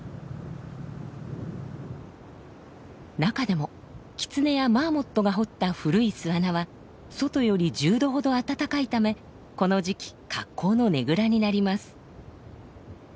中でもキツネやマーモットが掘った古い巣穴は外より１０度ほど暖かいためこの時期格好のねぐらになります。